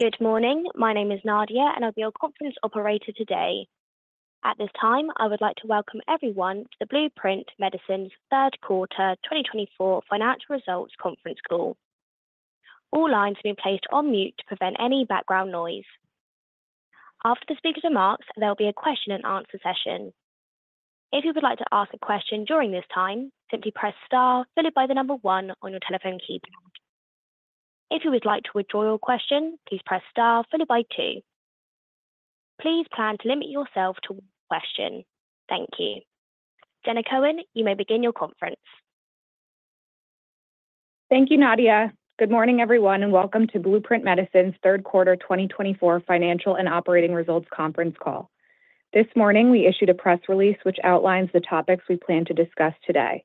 Good morning. My name is Nadia, and I'll be your conference operator today. At this time, I would like to welcome everyone to the Blueprint Medicines third quarter 2024 financial results conference call. All lines have been placed on mute to prevent any background noise. After the speaker's remarks, there will be a question and answer session. If you would like to ask a question during this time, simply press star followed by the number one on your telephone keypad. If you would like to withdraw your question, please press star followed by two. Please plan to limit yourself to one question. Thank you. Jenna Cohen, you may begin your conference. Thank you, Nadia. Good morning, everyone, and welcome to Blueprint Medicines third quarter 2024 financial and operating results conference call. This morning, we issued a press release which outlines the topics we plan to discuss today.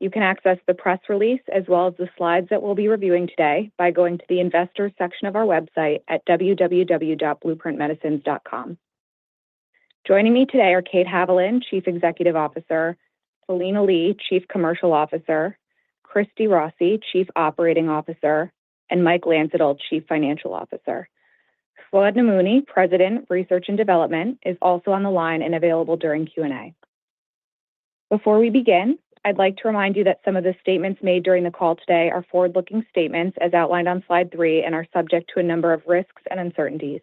You can access the press release as well as the slides that we'll be reviewing today by going to the investors section of our website at www.blueprintmedicines.com. Joining me today are Kate Haviland, Chief Executive Officer; Philina Lee, Chief Commercial Officer; Christina Rossi, Chief Operating Officer; and Mike Landsittel, Chief Financial Officer. Fouad Namouni, President of Research and Development, is also on the line and available during Q&A. Before we begin, I'd like to remind you that some of the statements made during the call today are forward-looking statements as outlined on slide three and are subject to a number of risks and uncertainties.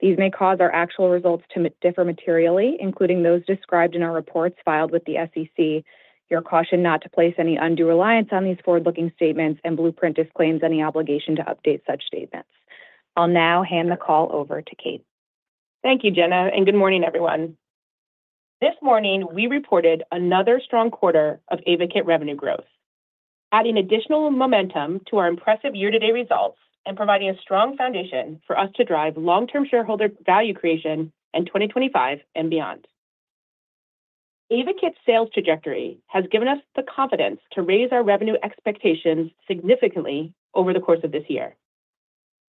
These may cause our actual results to differ materially, including those described in our reports filed with the SEC. You're cautioned not to place any undue reliance on these forward-looking statements, and Blueprint disclaims any obligation to update such statements. I'll now hand the call over to Kate. Thank you, Jenna, and good morning, everyone. This morning, we reported another strong quarter of Ayvakit revenue growth, adding additional momentum to our impressive year-to-date results and providing a strong foundation for us to drive long-term shareholder value creation in 2025 and beyond. Ayvakit's sales trajectory has given us the confidence to raise our revenue expectations significantly over the course of this year,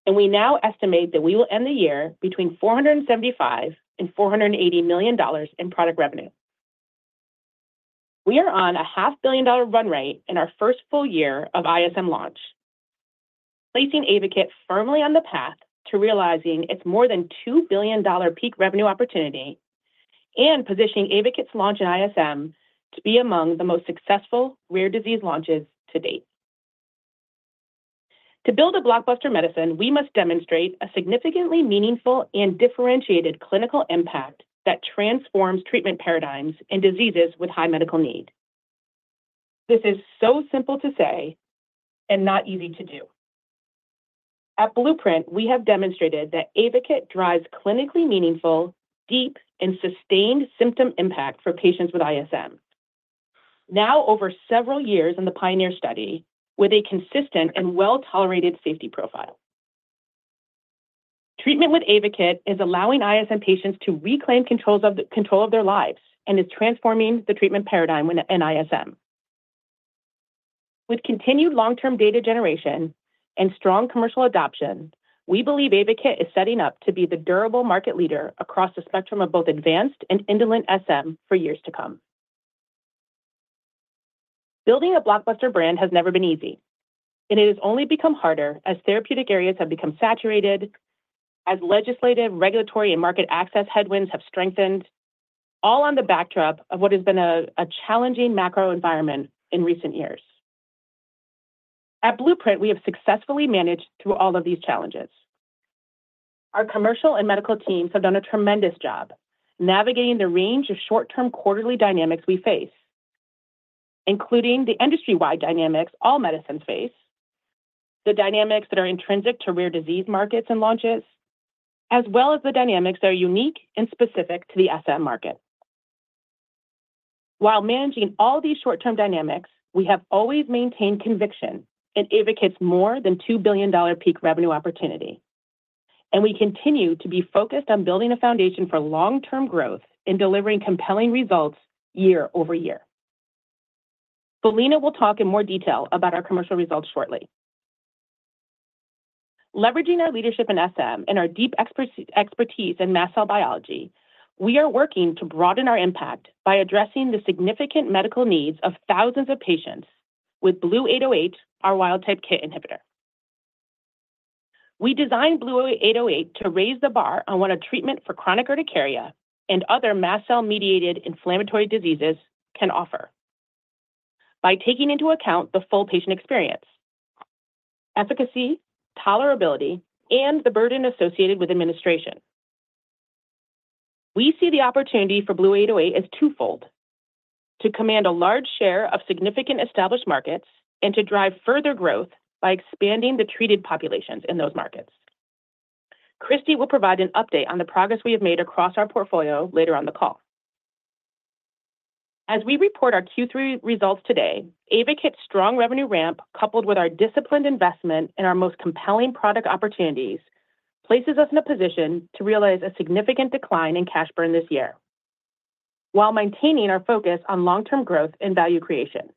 and we now estimate that we will end the year between $475-$480 million in product revenue. We are on a $500 million run rate in our first full year of ISM launch, placing Ayvakit firmly on the path to realizing its more than $2 billion peak revenue opportunity and positioning Ayvakit's launch in ISM to be among the most successful rare disease launches to date. To build a blockbuster medicine, we must demonstrate a significantly meaningful and differentiated clinical impact that transforms treatment paradigms in diseases with high medical need. This is so simple to say and not easy to do. At Blueprint, we have demonstrated that Ayvakit drives clinically meaningful, deep, and sustained symptom impact for patients with ISM, now over several years in the PIONEER study with a consistent and well-tolerated safety profile. Treatment with Ayvakit is allowing ISM patients to reclaim control of their lives and is transforming the treatment paradigm in ISM. With continued long-term data generation and strong commercial adoption, we believe Ayvakit is set ting up to be the durable market leader across the spectrum of both advanced and indolent SM for years to come. Building a blockbuster brand has never been easy, and it has only become harder as therapeutic areas have become saturated, as legislative, regulatory, and market access headwinds have strengthened, all on the backdrop of what has been a challenging macro environment in recent years. At Blueprint, we have successfully managed through all of these challenges. Our commercial and medical teams have done a tremendous job navigating the range of short-term quarterly dynamics we face, including the industry-wide dynamics all medicines face, the dynamics that are intrinsic to rare disease markets and launches, as well as the dynamics that are unique and specific to the SM market. While managing all these short-term dynamics, we have always maintained conviction in Ayvakit's more than $2 billion peak revenue opportunity, and we continue to be focused on building a foundation for long-term growth in delivering compelling results year-over-year. Philina Lee will talk in more detail about our commercial results shortly. Leveraging our leadership in SM and our deep expertise in mast cell biology, we are working to broaden our impact by addressing the significant medical needs of thousands of patients with BLU-808, our wild-type KIT inhibitor. We designed BLU-808 to raise the bar on what a treatment for chronic urticaria and other mast cell-mediated inflammatory diseases can offer by taking into account the full patient experience, efficacy, tolerability, and the burden associated with administration. We see the opportunity for BLU-808 as twofold: to command a large share of significant established markets and to drive further growth by expanding the treated populations in those markets. Christy will provide an update on the progress we have made across our portfolio later on the call. As we report our Q3 results today, Ayvakit's strong revenue ramp, coupled with our disciplined investment in our most compelling product opportunities, places us in a position to realize a significant decline in cash burn this year while maintaining our focus on long-term growth and value creation.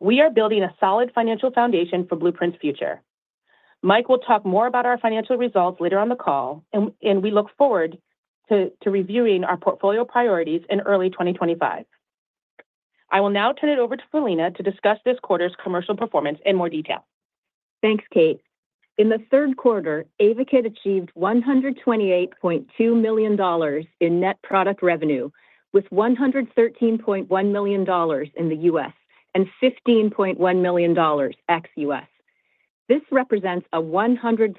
We are building a solid financial foundation for Blueprint's future. Mike will talk more about our financial results later on the call, and we look forward to reviewing our portfolio priorities in early 2025. I will now turn it over to Philina Lee to discuss this quarter's commercial performance in more detail. Thanks, Kate. In the third quarter, Ayvakit achieved $128.2 million in net product revenue, with $113.1 million in the US and $15.1 million ex-US. This represents a 137%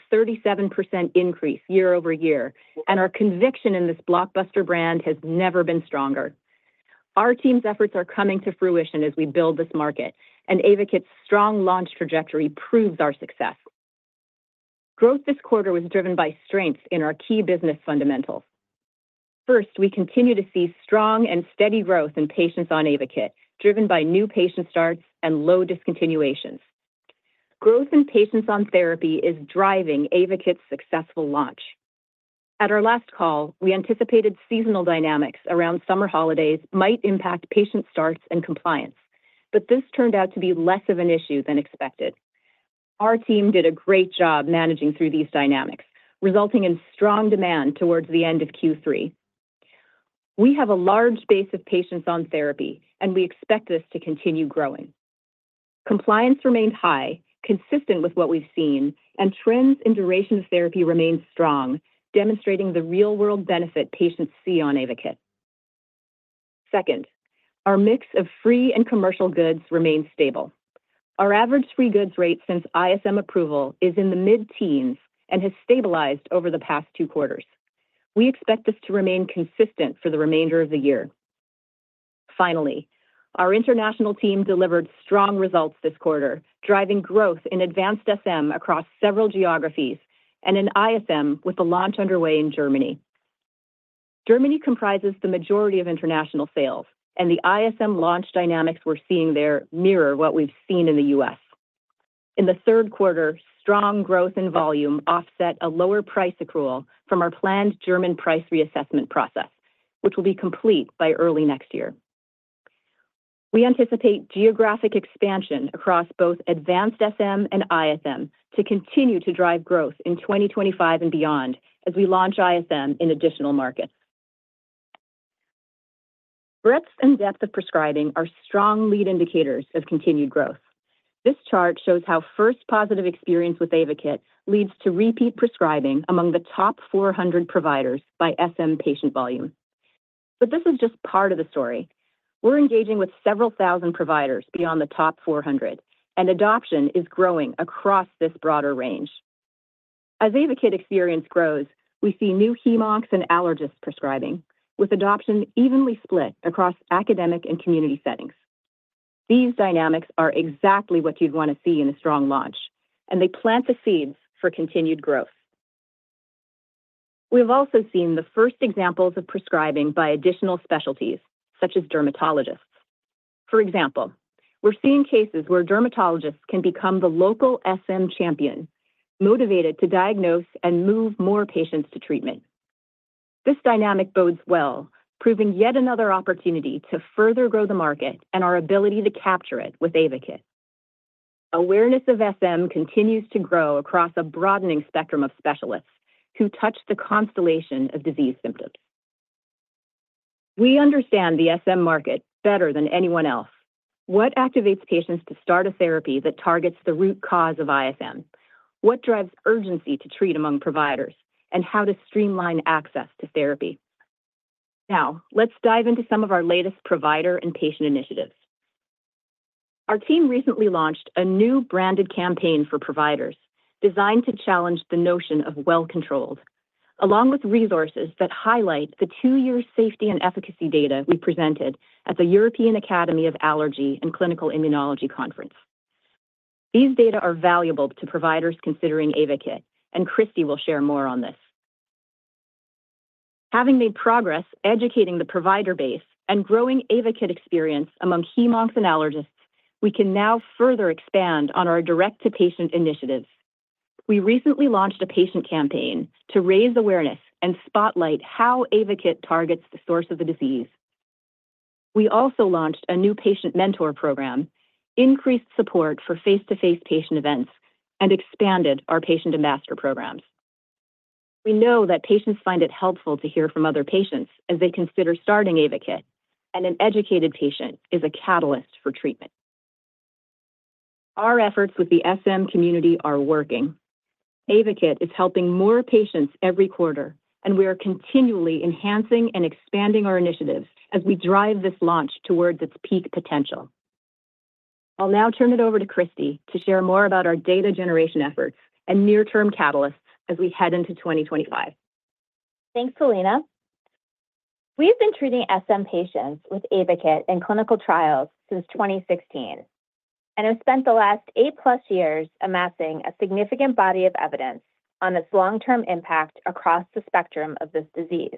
increase year over year, and our conviction in this blockbuster brand has never been stronger. Our team's efforts are coming to fruition as we build this market, and Ayvakit's strong launch trajectory proves our success. Growth this quarter was driven by strength in our key business fundamentals. First, we continue to see strong and steady growth in patients on Ayvakit, driven by new patient starts and low discontinuations. Growth in patients on therapy is driving Ayvakit's successful launch. At our last call, we anticipated seasonal dynamics around summer holidays might impact patient starts and compliance, but this turned out to be less of an issue than expected. Our team did a great job managing through these dynamics, resulting in strong demand towards the end of Q3. We have a large base of patients on therapy, and we expect this to continue growing. Compliance remained high, consistent with what we've seen, and trends in duration of therapy remained strong, demonstrating the real-world benefit patients see on Ayvakit. Second, our mix of free and commercial goods remained stable. Our average free goods rate since ISM approval is in the mid-teens and has stabilized over the past two quarters. We expect this to remain consistent for the remainder of the year. Finally, our international team delivered strong results this quarter, driving growth in advanced SM across several geographies and in ISM with the launch underway in Germany. Germany comprises the majority of international sales, and the ISM launch dynamics we're seeing there mirror what we've seen in the US. In the third quarter, strong growth in volume offset a lower price accrual from our planned German price reassessment process, which will be complete by early next year. We anticipate geographic expansion across both advanced SM and ISM to continue to drive growth in 2025 and beyond as we launch ISM in additional markets. Breadth and depth of prescribing are strong lead indicators of continued growth. This chart shows how first positive experience with Ayvakit leads to repeat prescribing among the top 400 providers by SM patient volume. But this is just part of the story. We're engaging with several thousand providers beyond the top 400, and adoption is growing across this broader range. As Ayvakit experience grows, we see new hem-oncs and allergists prescribing, with adoption evenly split across academic and community settings. These dynamics are exactly what you'd want to see in a strong launch, and they plant the seeds for continued growth. We have also seen the first examples of prescribing by additional specialties, such as dermatologists. For example, we're seeing cases where dermatologists can become the local SM champion, motivated to diagnose and move more patients to treatment. This dynamic bodes well, proving yet another opportunity to further grow the market and our ability to capture it with Ayvakit. Awareness of SM continues to grow across a broadening spectrum of specialists who touch the constellation of disease symptoms. We understand the SM market better than anyone else. What activates patients to start a therapy that targets the root cause of ISM? What drives urgency to treat among providers, and how to streamline access to therapy? Now, let's dive into some of our latest provider and patient initiatives. Our team recently launched a new branded campaign for providers designed to challenge the notion of well-controlled, along with resources that highlight the two-year safety and efficacy data we presented at the European Academy of Allergy and Clinical Immunology Conference. These data are valuable to providers considering Ayvakit, and Christy will share more on this. Having made progress educating the provider base and growing Ayvakit experience among hem-onc and allergists, we can now further expand on our direct-to-patient initiatives. We recently launched a patient campaign to raise awareness and spotlight how Ayvakit targets the source of the disease. We also launched a new patient mentor program, increased support for face-to-face patient events, and expanded our patient ambassador programs. We know that patients find it helpful to hear from other patients as they consider starting Ayvakit, and an educated patient is a catalyst for treatment. Our efforts with the SM community are working. Ayvakit is helping more patients every quarter, and we are continually enhancing and expanding our initiatives as we drive this launch towards its peak potential. I'll now turn it over to Christy to share more about our data generation efforts and near-term catalysts as we head into 2025. Thanks, Philina. We've been treating SM patients with Ayvakit in clinical trials since 2016 and have spent the last eight-plus years amassing a significant body of evidence on its long-term impact across the spectrum of this disease.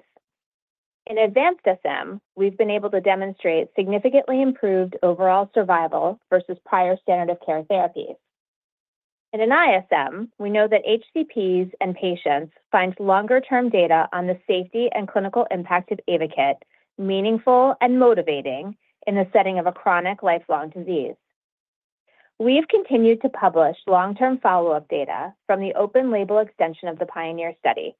In advanced SM, we've been able to demonstrate significantly improved overall survival versus prior standard of care therapies. In an ISM, we know that HCPs and patients find longer-term data on the safety and clinical impact of Ayvakit meaningful and motivating in the setting of a chronic lifelong disease. We have continued to publish long-term follow-up data from the open-label extension of the PIONEER study.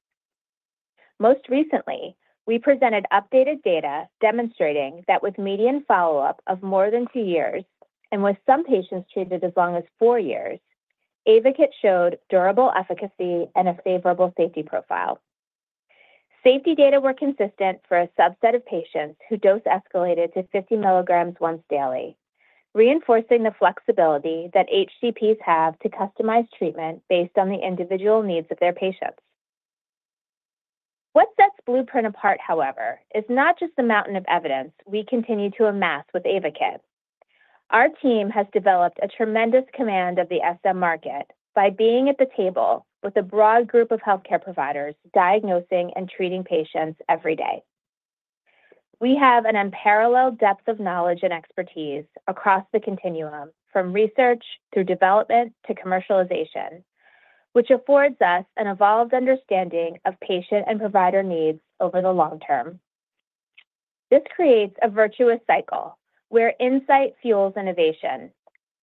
Most recently, we presented updated data demonstrating that with median follow-up of more than two years and with some patients treated as long as four years, Ayvakit showed durable efficacy and a favorable safety profile. Safety data were consistent for a subset of patients who dose escalated to 50 milligrams once daily, reinforcing the flexibility that HCPs have to customize treatment based on the individual needs of their patients. What sets Blueprint apart, however, is not just the mountain of evidence we continue to amass with Ayvakit. Our team has developed a tremendous command of the SM market by being at the table with a broad group of healthcare providers diagnosing and treating patients every day. We have an unparalleled depth of knowledge and expertise across the continuum, from research through development to commercialization, which affords us an evolved understanding of patient and provider needs over the long term. This creates a virtuous cycle where insight fuels innovation,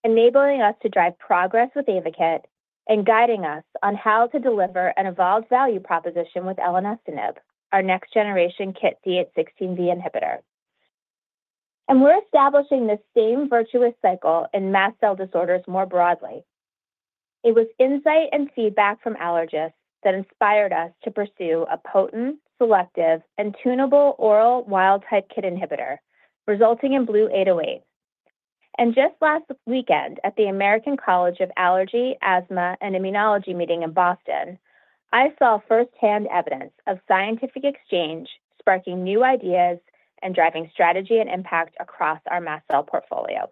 enabling us to drive progress with Ayvakit and guiding us on how to deliver an evolved value proposition with elenestinib, our next-generation KIT D816V inhibitor. We're establishing the same virtuous cycle in mast cell disorders more broadly. It was insight and feedback from allergists that inspired us to pursue a potent, selective, and tunable oral wild-type KIT inhibitor, resulting in BLU-808. Just last weekend at the American College of Allergy, Asthma, and Immunology meeting in Boston, I saw firsthand evidence of scientific exchange sparking new ideas and driving strategy and impact across our mast cell portfolio.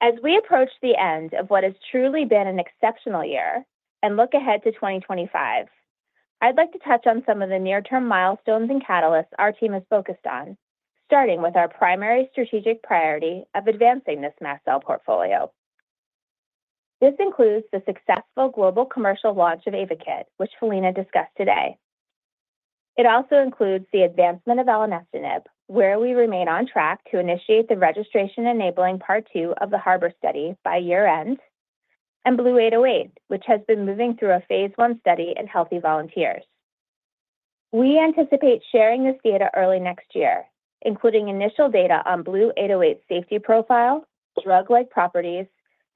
As we approach the end of what has truly been an exceptional year and look ahead to 2025, I'd like to touch on some of the near-term milestones and catalysts our team has focused on, starting with our primary strategic priority of advancing this mast cell portfolio. This includes the successful global commercial launch of Ayvakit, which Philina Lee discussed today. It also includes the advancement of elenestinib, where we remain on track to initiate the registration-enabling part two of the HARBOR study by year-end, and BLU-808, which has been moving through a phase 1 study in healthy volunteers. We anticipate sharing this data early next year, including initial data on BLU-808's safety profile, drug-like properties,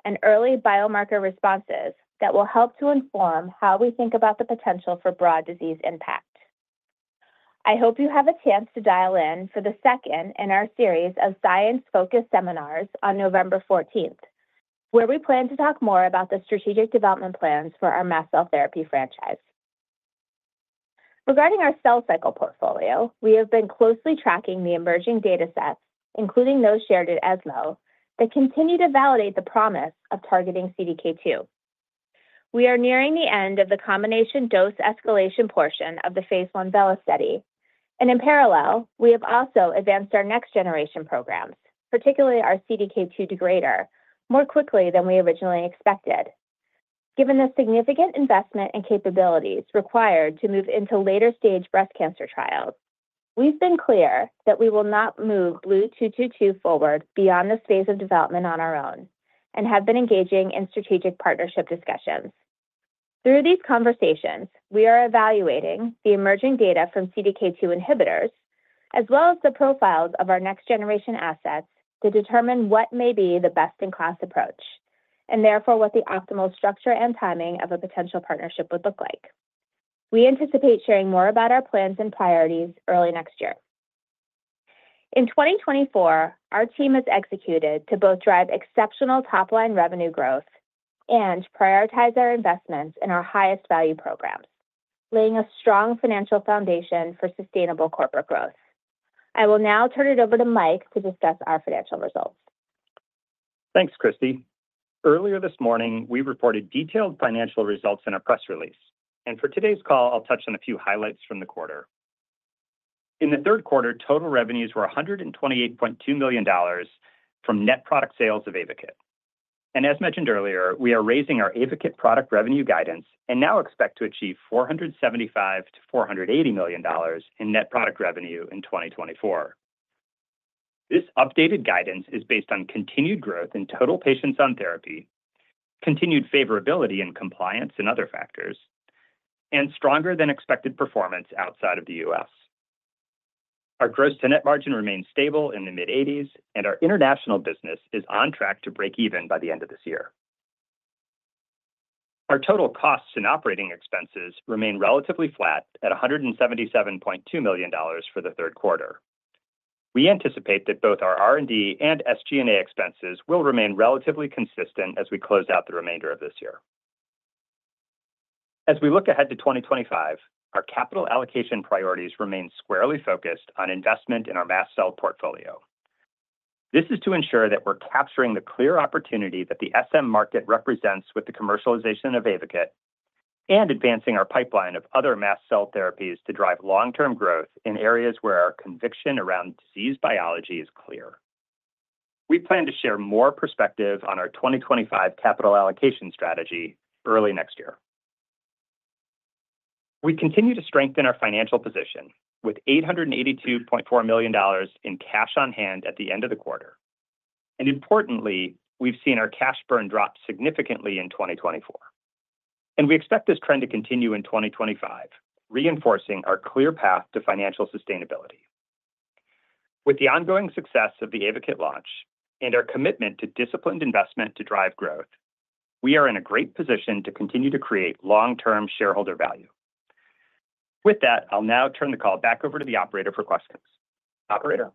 and early biomarker responses that will help to inform how we think about the potential for broad disease impact. I hope you have a chance to dial in for the second in our series of science-focused seminars on November 14, where we plan to talk more about the strategic development plans for our mast cell therapy franchise. Regarding our cell cycle portfolio, we have been closely tracking the emerging data sets, including those shared at ESMO, that continue to validate the promise of targeting CDK2. We are nearing the end of the combination dose escalation portion of the phase 1 VELOCITY, and in parallel, we have also advanced our next-generation programs, particularly our CDK2 degrader, more quickly than we originally expected. Given the significant investment and capabilities required to move into later-stage breast cancer trials, we've been clear that we will not move BLU-222 forward beyond this phase of development on our own and have been engaging in strategic partnership discussions. Through these conversations, we are evaluating the emerging data from CDK2 inhibitors as well as the profiles of our next-generation assets to determine what may be the best-in-class approach and therefore what the optimal structure and timing of a potential partnership would look like. We anticipate sharing more about our plans and priorities early next year. In 2024, our team has executed to both drive exceptional top-line revenue growth and prioritize our investments in our highest-value programs, laying a strong financial foundation for sustainable corporate growth. I will now turn it over to Mike to discuss our financial results. Thanks, Christy. Earlier this morning, we reported detailed financial results in a press release, and for today's call, I'll touch on a few highlights from the quarter. In the third quarter, total revenues were $128.2 million from net product sales of Ayvakit. And as mentioned earlier, we are raising our Ayvakit product revenue guidance and now expect to achieve $475-$480 million in net product revenue in 2024. This updated guidance is based on continued growth in total patients on therapy, continued favorability in compliance and other factors, and stronger-than-expected performance outside of the U.S. Our gross net margin remains stable in the mid-80s, and our international business is on track to break even by the end of this year. Our total costs and operating expenses remain relatively flat at $177.2 million for the third quarter. We anticipate that both our R&D and SG&A expenses will remain relatively consistent as we close out the remainder of this year. As we look ahead to 2025, our capital allocation priorities remain squarely focused on investment in our mast cell portfolio. This is to ensure that we're capturing the clear opportunity that the SM market represents with the commercialization of Ayvakit and advancing our pipeline of other mast cell therapies to drive long-term growth in areas where our conviction around disease biology is clear. We plan to share more perspective on our 2025 capital allocation strategy early next year. We continue to strengthen our financial position with $882.4 million in cash on hand at the end of the quarter, and importantly, we've seen our cash burn drop significantly in 2024, and we expect this trend to continue in 2025, reinforcing our clear path to financial sustainability. With the ongoing success of the Ayvakit launch and our commitment to disciplined investment to drive growth, we are in a great position to continue to create long-term shareholder value. With that, I'll now turn the call back over to the operator for questions. Operator.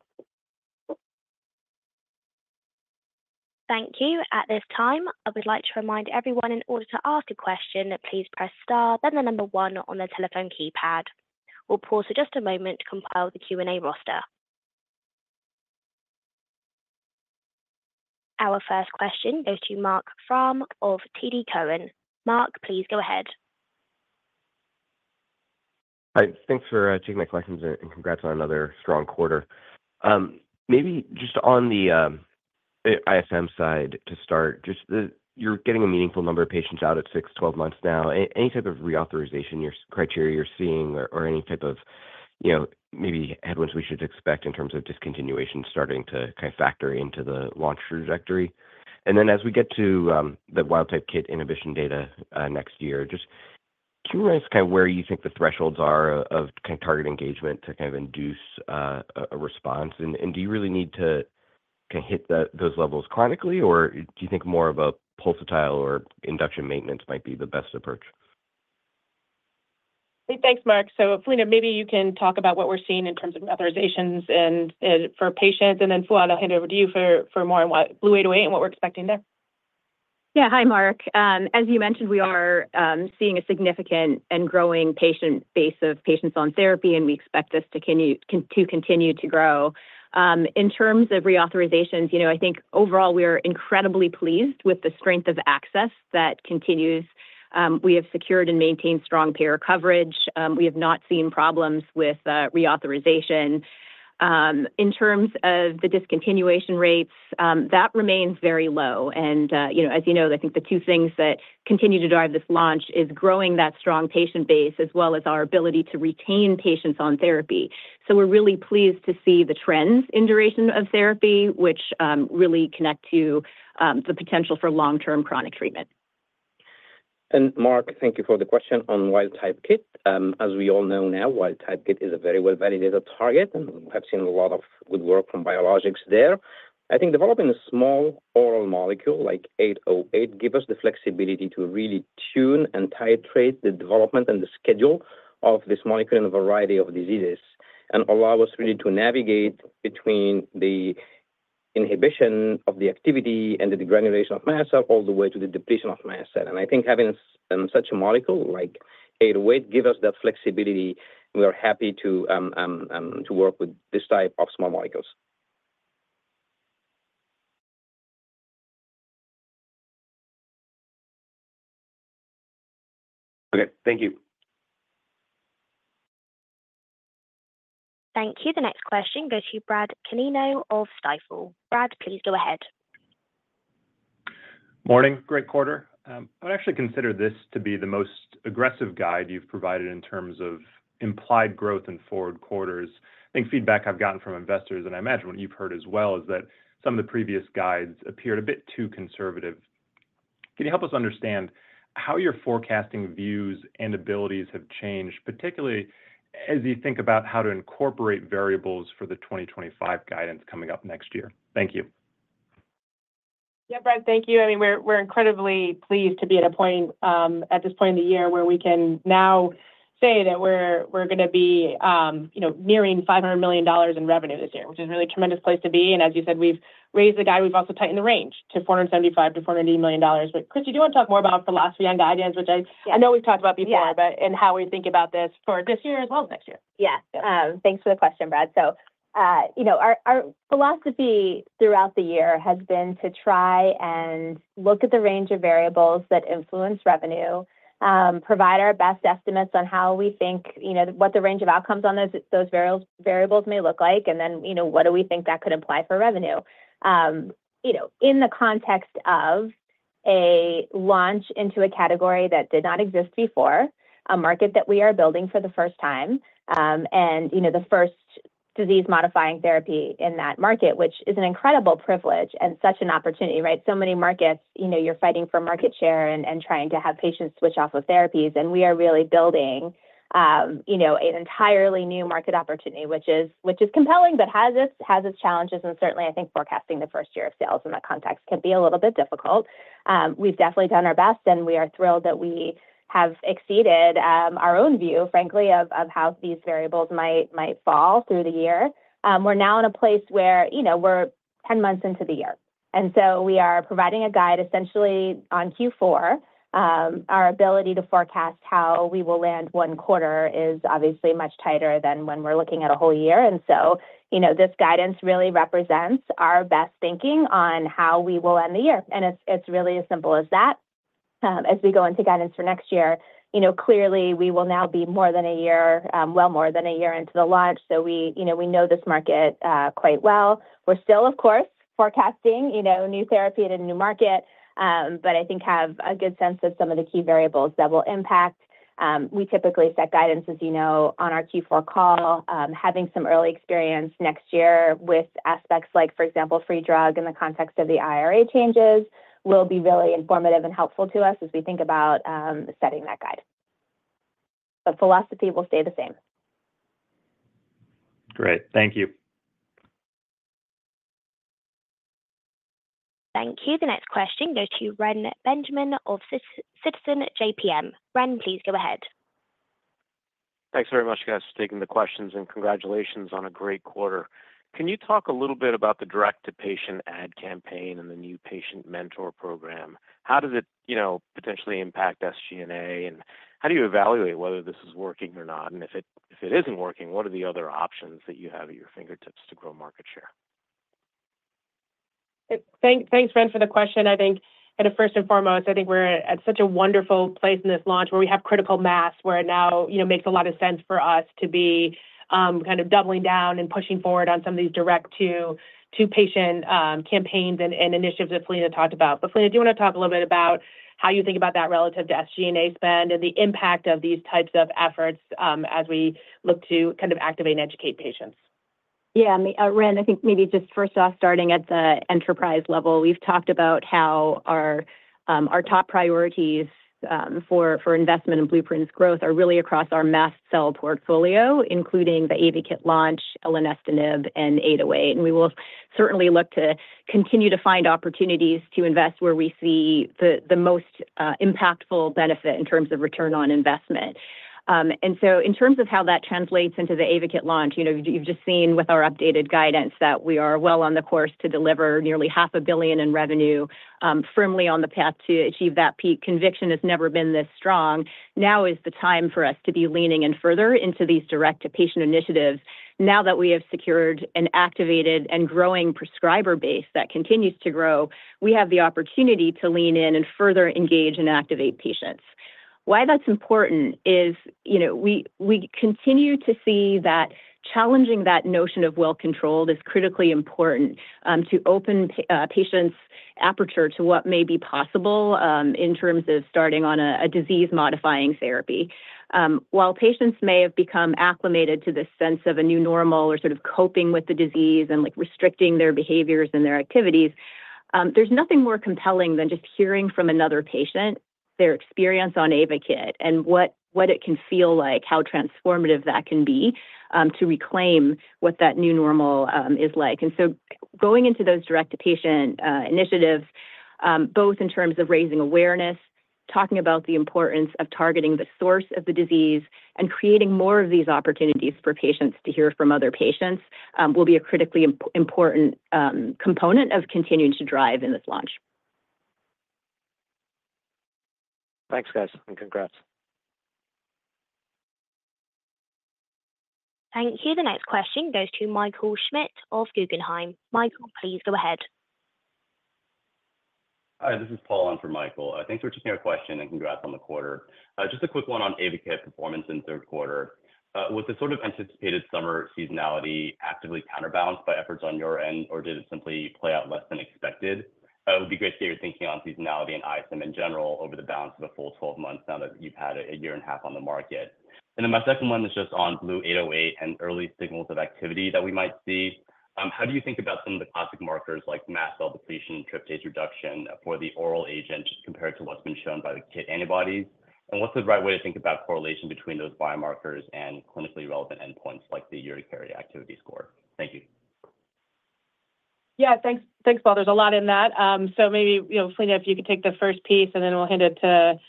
Thank you. At this time, I would like to remind everyone, in order to ask a question, that please press star, then the number one on the telephone keypad. We'll pause for just a moment to compile the Q&A roster. Our first question goes to Marc Frahm of TD Cowen. Mark, please go ahead. Hi. Thanks for taking my questions and congrats on another strong quarter. Maybe just on the ISM side to start, just that you're getting a meaningful number of patients out at six, 12 months now. Any type of reauthorization criteria you're seeing or any type of maybe headwinds we should expect in terms of discontinuation starting to kind of factor into the launch trajectory? And then as we get to the wild-type KIT inhibition data next year, just can you remind us kind of where you think the thresholds are of kind of target engagement to kind of induce a response? And do you really need to kind of hit those levels chronically, or do you think more of a pulsatile or induction maintenance might be the best approach? Hey, thanks, Mark. So Philina Lee, maybe you can talk about what we're seeing in terms of authorizations for patients. And then Fouad, I'll hand it over to you for more on BLU-808 and what we're expecting there. Yeah. Hi, Marc. As you mentioned, we are seeing a significant and growing patient base of patients on therapy, and we expect this to continue to grow. In terms of reauthorizations, I think overall we are incredibly pleased with the strength of access that continues. We have secured and maintained strong payer coverage. We have not seen problems with reauthorization. In terms of the discontinuation rates, that remains very low, and as you know, I think the two things that continue to drive this launch is growing that strong patient base as well as our ability to retain patients on therapy, so we're really pleased to see the trends in duration of therapy, which really connect to the potential for long-term chronic treatment. Mark, thank you for the question on wild-type KIT. As we all know now, wild-type KIT is a very well-validated target, and we have seen a lot of good work from biologics there. I think developing a small oral molecule like 808 gives us the flexibility to really tune and titrate the development and the schedule of this molecule in a variety of diseases and allow us really to navigate between the inhibition of the activity and the degranulation of mast cell all the way to the depletion of mast cell. And I think having such a molecule like 808 gives us that flexibility. We are happy to work with this type of small molecules. Okay. Thank you. Thank you. The next question goes to Brad Canino of Stifel. Brad, please go ahead. Morning. Great quarter. I would actually consider this to be the most aggressive guide you've provided in terms of implied growth in forward quarters. I think feedback I've gotten from investors, and I imagine what you've heard as well, is that some of the previous guides appeared a bit too conservative. Can you help us understand how your forecasting views and abilities have changed, particularly as you think about how to incorporate variables for the 2025 guidance coming up next year? Thank you. Yeah, Brad, thank you. I mean, we're incredibly pleased to be at a point at this point in the year where we can now say that we're going to be nearing $500 million in revenue this year, which is a really tremendous place to be. And as you said, we've raised the guide. We've also tightened the range to $475-$480 million. But Christy, do you want to talk more about philosophy on guidance, which I know we've talked about before, but in how we think about this for this year as well as next year? Yeah. Thanks for the question, Brad. So our philosophy throughout the year has been to try and look at the range of variables that influence revenue, provide our best estimates on how we think what the range of outcomes on those variables may look like, and then what do we think that could imply for revenue in the context of a launch into a category that did not exist before, a market that we are building for the first time, and the first disease-modifying therapy in that market, which is an incredible privilege and such an opportunity, right? So many markets, you're fighting for market share and trying to have patients switch off of therapies, and we are really building an entirely new market opportunity, which is compelling but has its challenges. Certainly, I think forecasting the first year of sales in that context can be a little bit difficult. We've definitely done our best, and we are thrilled that we have exceeded our own view, frankly, of how these variables might fall through the year. We're now in a place where we're 10 months into the year. So we are providing a guide essentially on Q4. Our ability to forecast how we will land one quarter is obviously much tighter than when we're looking at a whole year. So this guidance really represents our best thinking on how we will end the year. It's really as simple as that. As we go into guidance for next year, clearly, we will now be more than a year, well more than a year into the launch. So we know this market quite well. We're still, of course, forecasting new therapy at a new market, but I think we have a good sense of some of the key variables that will impact. We typically set guidance, as you know, on our Q4 call. Having some early experience next year with aspects like, for example, free drug in the context of the IRA changes will be really informative and helpful to us as we think about setting that guide. But philosophy will stay the same. Great. Thank you. Thank you. The next question goes to Reni Benjamin of Citizens JMP. Ren, please go ahead. Thanks very much, guys, for taking the questions, and congratulations on a great quarter. Can you talk a little bit about the direct-to-patient ad campaign and the new patient mentor program? How does it potentially impact SG&A, and how do you evaluate whether this is working or not? And if it isn't working, what are the other options that you have at your fingertips to grow market share? Thanks, Ren, for the question. I think, first and foremost, I think we're at such a wonderful place in this launch where we have critical mass where it now makes a lot of sense for us to be kind of doubling down and pushing forward on some of these direct-to-patient campaigns and initiatives that Philina Lee talked about. But Philina, do you want to talk a little bit about how you think about that relative to SG&A spend and the impact of these types of efforts as we look to kind of activate and educate patients. Yeah. Ren, I think maybe just first off, starting at the enterprise level, we've talked about how our top priorities for investment and Blueprint growth are really across our mast cell portfolio, including the Ayvakit launch, elenestinib, and 808. And we will certainly look to continue to find opportunities to invest where we see the most impactful benefit in terms of return on investment. And so in terms of how that translates into the Ayvakit launch, you've just seen with our updated guidance that we are well on the course to deliver nearly $500 million in revenue, firmly on the path to achieve that peak. Conviction has never been this strong. Now is the time for us to be leaning in further into these direct-to-patient initiatives. Now that we have secured an activated and growing prescriber base that continues to grow, we have the opportunity to lean in and further engage and activate patients. Why that's important is we continue to see that challenging that notion of well-controlled is critically important to open patients' aperture to what may be possible in terms of starting on a disease-modifying therapy. While patients may have become acclimated to this sense of a new normal or sort of coping with the disease and restricting their behaviors and their activities, there's nothing more compelling than just hearing from another patient their experience on Ayvakit and what it can feel like, how transformative that can be to reclaim what that new normal is like. And so going into those direct-to-patient initiatives, both in terms of raising awareness, talking about the importance of targeting the source of the disease, and creating more of these opportunities for patients to hear from other patients will be a critically important component of continuing to drive in this launch. Thanks, guys, and congrats. Thank you. The next question goes to Michael Schmidt of Guggenheim. Michael, please go ahead. Hi, this is Paul on for Michael. Thanks for taking our question and congrats on the quarter. Just a quick one on Ayvakit performance in third quarter. Was the sort of anticipated summer seasonality actively counterbalanced by efforts on your end, or did it simply play out less than expected? It would be great to get your thinking on seasonality and ISM in general over the balance of a full 12 months now that you've had a year and a half on the market. And then my second one is just on BLU-808 and early signals of activity that we might see. How do you think about some of the classic markers like mast cell depletion and tryptase reduction for the oral agent compared to what's been shown by the KIT antibodies? What's the right way to think about correlation between those biomarkers and clinically relevant endpoints like the urticaria activity score? Thank you. Yeah, thanks, Paul. There's a lot in that. So maybe, Fouad, if you could take the first piece, and then we'll hand it to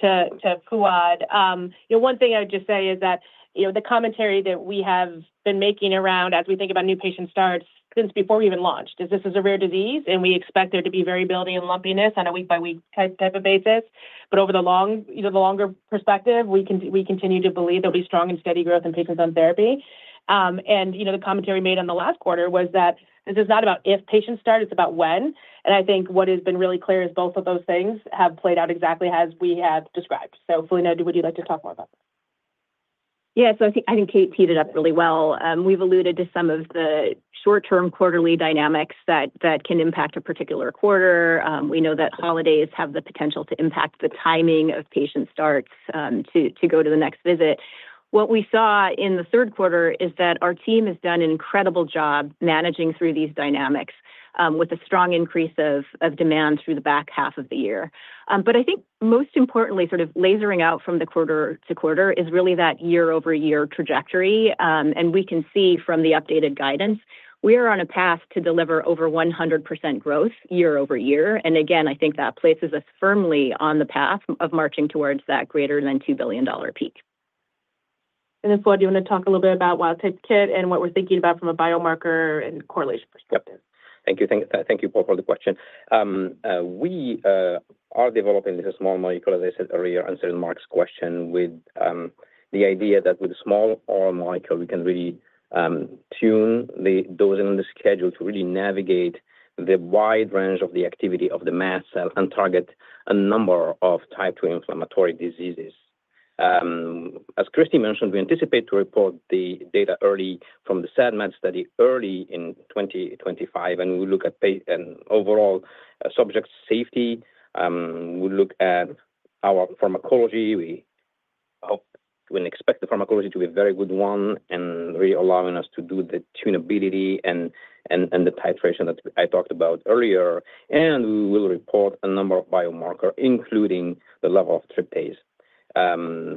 Fouad. One thing I would just say is that the commentary that we have been making around as we think about new patient starts since before we even launched is this is a rare disease, and we expect there to be variability and lumpiness on a week-by-week type of basis, but over the longer perspective, we continue to believe there'll be strong and steady growth in patients on therapy, and the commentary made on the last quarter was that this is not about if patients start, it's about when. I think what has been really clear is both of those things have played out exactly as we have described. So Fouad, would you like to talk more about that? Yeah. So I think Kate teed it up really well. We've alluded to some of the short-term quarterly dynamics that can impact a particular quarter. We know that holidays have the potential to impact the timing of patient starts to go to the next visit. What we saw in the third quarter is that our team has done an incredible job managing through these dynamics with a strong increase of demand through the back half of the year. But I think most importantly, sort of lasering out from the quarter to quarter is really that year-over-year trajectory. And we can see from the updated guidance, we are on a path to deliver over 100% growth year-over-year. And again, I think that places us firmly on the path of marching towards that greater than $2 billion peak. Fouad, do you want to talk a little bit about wild-type KIT and what we're thinking about from a biomarker and correlation perspective? Thank you. Thank you, Paul, for the question. We are developing this small molecule, as I said earlier, answering Marc's question with the idea that with a small oral molecule, we can really tune the dosing and the schedule to really navigate the wide range of the activity of the mast cell and target a number of type 2 inflammatory diseases. As Christy mentioned, we anticipate to report the data early from the SAD/MAD study early in 2025. And we look at overall subject safety. We look at our pharmacology. We expect the pharmacology to be a very good one and really allowing us to do the tunability and the titration that I talked about earlier. And we will report a number of biomarkers, including the level of tryptase.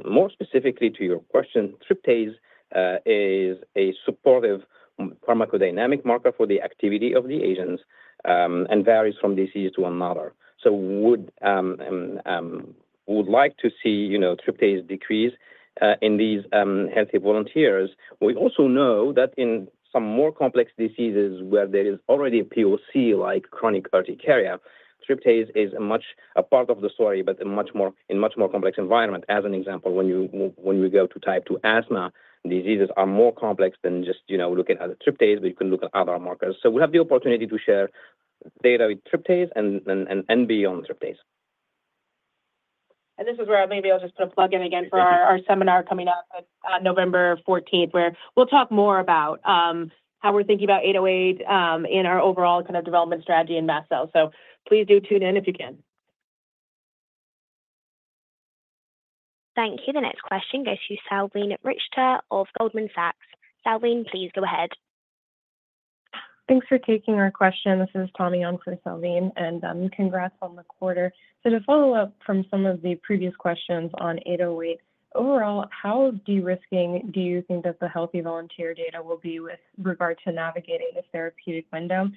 More specifically to your question, tryptase is a supportive pharmacodynamic marker for the activity of the agents and varies from disease to another. So we would like to see tryptase decrease in these healthy volunteers. We also know that in some more complex diseases where there is already a POC, like chronic urticaria, tryptase is a part of the story, but in a much more complex environment. As an example, when we go to type 2 asthma, diseases are more complex than just looking at the tryptase, but you can look at other markers. So we have the opportunity to share data with tryptase and beyond tryptase. And this is where maybe I'll just put a plug in again for our seminar coming up on November 14th, where we'll talk more about how we're thinking about 808 in our overall kind of development strategy in mast cells. So please do tune in if you can. Thank you. The next question goes to Salveen Richter of Goldman Sachs. Salveen, please go ahead. Thanks for taking our question. This is Tommy on for Salveen. And congrats on the quarter. So to follow up from some of the previous questions on 808, overall, how derisking do you think that the healthy volunteer data will be with regard to navigating the therapeutic window?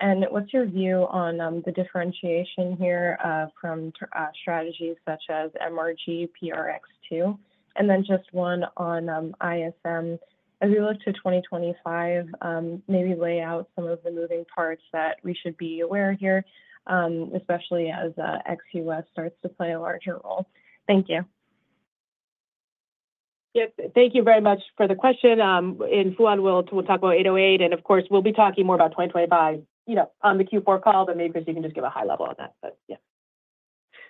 And what's your view on the differentiation here from strategies such as MRGPRX2? And then just one on ISM, as we look to 2025, maybe lay out some of the moving parts that we should be aware here, especially as ex-US starts to play a larger role. Thank you. Yep. Thank you very much for the question. And Fouad will talk about 808. And of course, we'll be talking more about 2025 on the Q4 call, but maybe Christy can just give a high level on that. But yeah.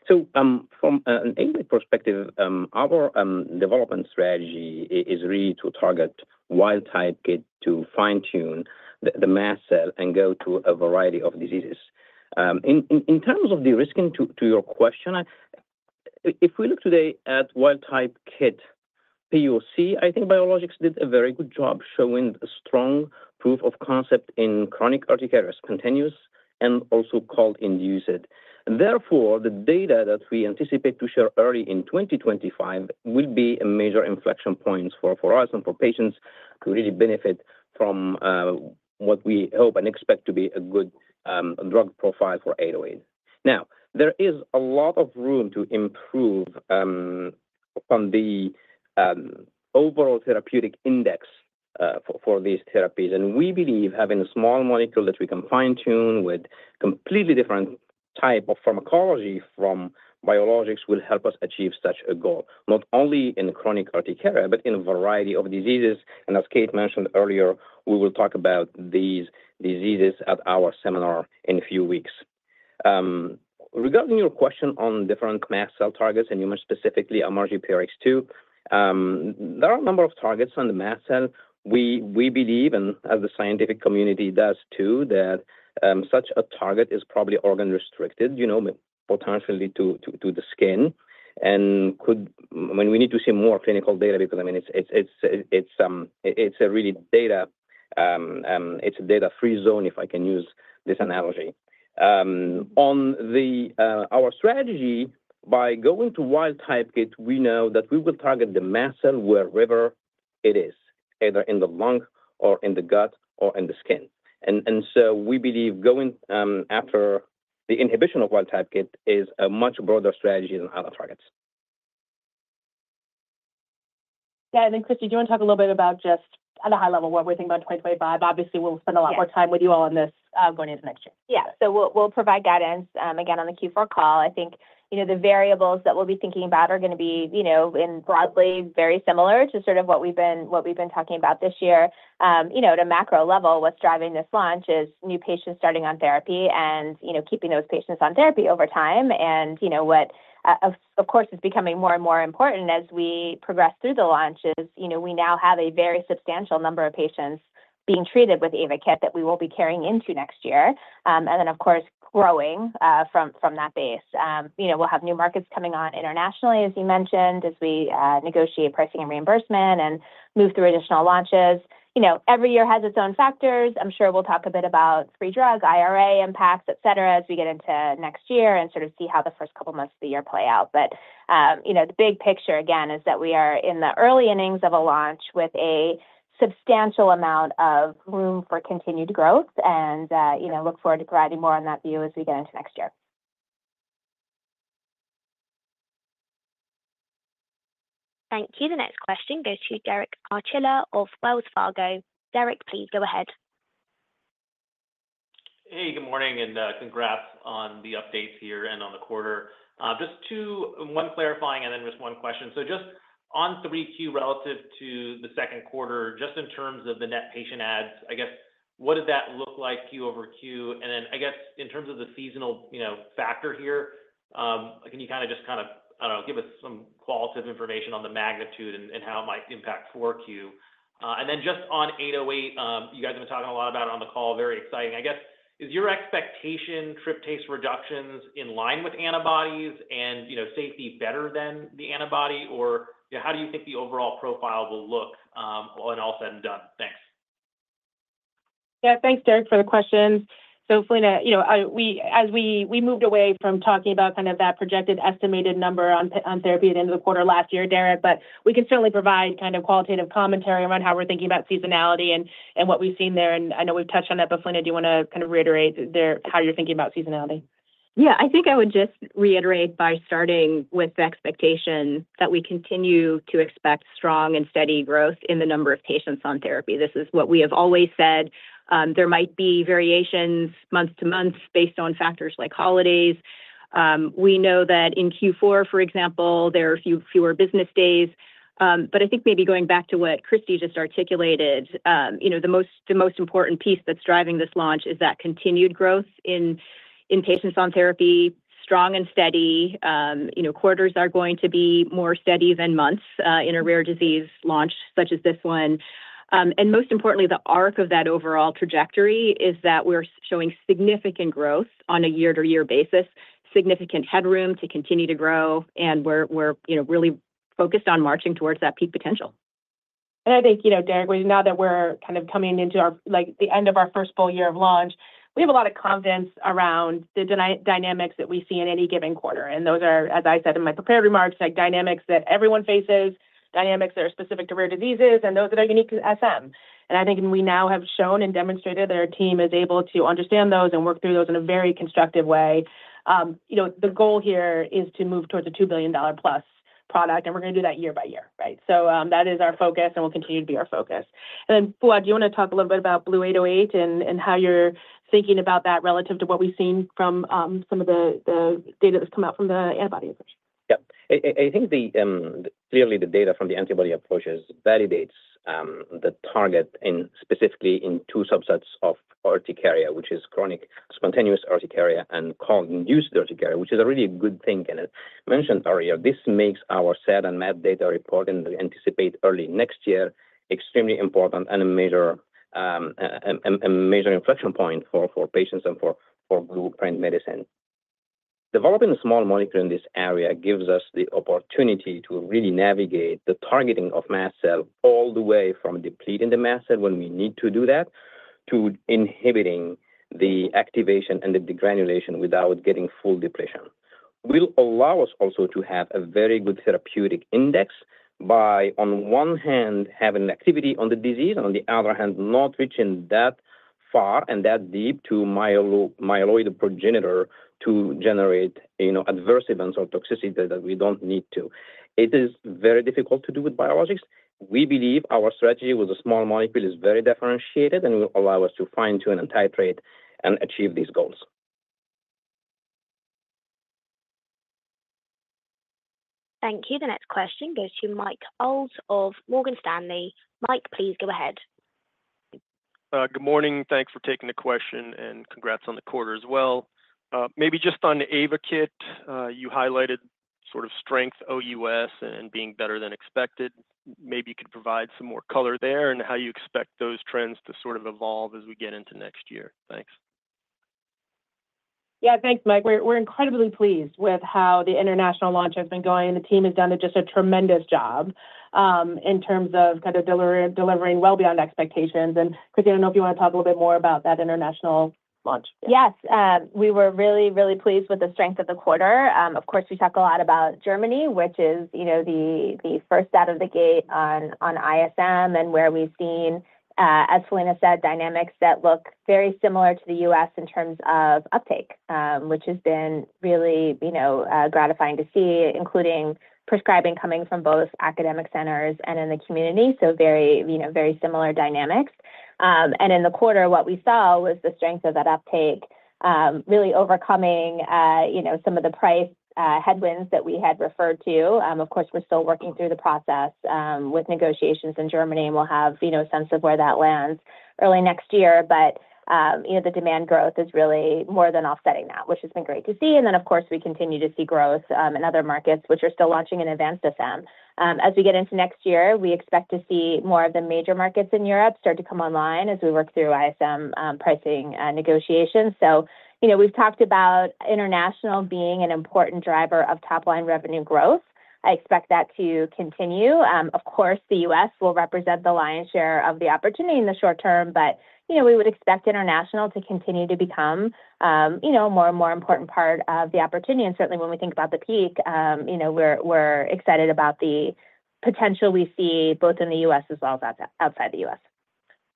So from an R&D perspective, our development strategy is really to target wild-type KIT to fine-tune the mast cell and go to a variety of diseases. In terms of derisking, to your question, if we look today at wild-type KIT POC, I think Biologix did a very good job showing strong proof of concept in chronic urticarias, continuous and also cold-induced. Therefore, the data that we anticipate to share early in 2025 will be a major inflection point for us and for patients to really benefit from what we hope and expect to be a good drug profile for 808. Now, there is a lot of room to improve on the overall therapeutic index for these therapies. We believe having a small molecule that we can fine-tune with a completely different type of pharmacology from biologics will help us achieve such a goal, not only in chronic urticaria, but in a variety of diseases. As Kate mentioned earlier, we will talk about these diseases at our seminar in a few weeks. Regarding your question on different mast cell targets, and you mentioned specifically MRGPRX2, there are a number of targets on the mast cell. We believe, and as the scientific community does too, that such a target is probably organ-restricted, potentially to the skin. We need to see more clinical data, because I mean, it's a really data-free zone, if I can use this analogy. On our strategy, by going to wild-type KIT, we know that we will target the mast cell wherever it is, either in the lung or in the gut or in the skin, and so we believe going after the inhibition of wild-type KIT is a much broader strategy than other targets. Yeah. And then Christy, do you want to talk a little bit about just at a high level what we're thinking about 2025? Obviously, we'll spend a lot more time with you all on this going into next year. Yeah. So we'll provide guidance again on the Q4 call. I think the variables that we'll be thinking about are going to be broadly very similar to sort of what we've been talking about this year. At a macro level, what's driving this launch is new patients starting on therapy and keeping those patients on therapy over time, and what, of course, is becoming more and more important as we progress through the launch is we now have a very substantial number of patients being treated with Ayvakit that we will be carrying into next year, and then, of course, growing from that base, we'll have new markets coming on internationally, as you mentioned, as we negotiate pricing and reimbursement and move through additional launches. Every year has its own factors. I'm sure we'll talk a bit about free drug, IRA impacts, etc., as we get into next year and sort of see how the first couple of months of the year play out, but the big picture, again, is that we are in the early innings of a launch with a substantial amount of room for continued growth, and look forward to providing more on that view as we get into next year. Thank you. The next question goes to Derek Archila of Wells Fargo. Derek, please go ahead. Hey, good morning. And congrats on the updates here and on the quarter. Just one clarifying and then just one question. So just on 3Q relative to the second quarter, just in terms of the net patient adds, I guess, what did that look like, Q over Q? And then I guess in terms of the seasonal factor here, can you kind of, I don't know, give us some qualitative information on the magnitude and how it might impact 4Q? And then just on 808, you guys have been talking a lot about it on the call. Very exciting. I guess, is your expectation tryptase reductions in line with antibodies and safety better than the antibody? Or how do you think the overall profile will look when all said and done? Thanks. Yeah. Thanks, Derek, for the questions. So Philina, as we moved away from talking about kind of that projected estimated number on therapy at the end of the quarter last year, Derek, but we can certainly provide kind of qualitative commentary around how we're thinking about seasonality and what we've seen there. And I know we've touched on it, but Fouad, do you want to kind of reiterate how you're thinking about seasonality? Yeah. I think I would just reiterate by starting with the expectation that we continue to expect strong and steady growth in the number of patients on therapy. This is what we have always said. There might be variations month to month based on factors like holidays. We know that in Q4, for example, there are fewer business days. But I think maybe going back to what Christy just articulated, the most important piece that's driving this launch is that continued growth in patients on therapy, strong and steady. Quarters are going to be more steady than months in a rare disease launch such as this one. And most importantly, the arc of that overall trajectory is that we're showing significant growth on a year-to-year basis, significant headroom to continue to grow. And we're really focused on marching towards that peak potential. I think, Derek, now that we're kind of coming into the end of our first full year of launch, we have a lot of confidence around the dynamics that we see in any given quarter. Those are, as I said in my prepared remarks, dynamics that everyone faces, dynamics that are specific to rare diseases, and those that are unique to SM. I think we now have shown and demonstrated that our team is able to understand those and work through those in a very constructive way. The goal here is to move towards a $2 billion-plus product. We're going to do that year by year, right? That is our focus, and will continue to be our focus. And then, Fouad, do you want to talk a little bit about BLU-808 and how you're thinking about that relative to what we've seen from some of the data that's come out from the antibody approach? Yep. I think clearly the data from the antibody approaches validates the target specifically in two subsets of urticaria, which is chronic spontaneous urticaria and cold-induced urticaria, which is a really good thing. And as mentioned earlier, this makes our SAD/MAD data report and the anticipated early next year extremely important and a major inflection point for patients and for Blueprint Medicines. Developing a small molecule in this area gives us the opportunity to really navigate the targeting of mast cell all the way from depleting the mast cell when we need to do that to inhibiting the activation and the degranulation without getting full depletion. Will allow us also to have a very good therapeutic index by, on one hand, having activity on the disease, and on the other hand, not reaching that far and that deep to myeloid progenitor to generate adverse events or toxicity that we don't need to. It is very difficult to do with biologics. We believe our strategy with a small molecule is very differentiated and will allow us to fine-tune and titrate and achieve these goals. Thank you. The next question goes to Mike Ulz of Morgan Stanley. Mike, please go ahead. Good morning. Thanks for taking the question and congrats on the quarter as well. Maybe just on Ayvakit, you highlighted sort of strength OUS and being better than expected. Maybe you could provide some more color there and how you expect those trends to sort of evolve as we get into next year. Thanks. Yeah. Thanks, Mike. We're incredibly pleased with how the international launch has been going. The team has done just a tremendous job in terms of kind of delivering well beyond expectations. And Christina, I don't know if you want to talk a little bit more about that international launch. Yes. We were really, really pleased with the strength of the quarter. Of course, we talk a lot about Germany, which is the first out of the gate on ISM and where we've seen, as Fouad said, dynamics that look very similar to the U.S. in terms of uptake, which has been really gratifying to see, including prescribing coming from both academic centers and in the community. So very similar dynamics. And in the quarter, what we saw was the strength of that uptake, really overcoming some of the price headwinds that we had referred to. Of course, we're still working through the process with negotiations in Germany, and we'll have a sense of where that lands early next year. But the demand growth is really more than offsetting that, which has been great to see. And then, of course, we continue to see growth in other markets, which are still launching and advanced SM. As we get into next year, we expect to see more of the major markets in Europe start to come online as we work through ISM pricing negotiations. So we've talked about international being an important driver of top-line revenue growth. I expect that to continue. Of course, the US will represent the lion's share of the opportunity in the short term, but we would expect international to continue to become a more and more important part of the opportunity. And certainly, when we think about the peak, we're excited about the potential we see both in the US as well as outside the US.